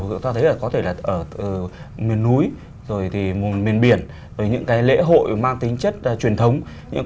chúng ta thấy có thể là ở miền núi miền biển những lễ hội mang tính chất truyền thống